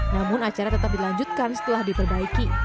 namun acara tetap dilanjutkan setelah diperbaiki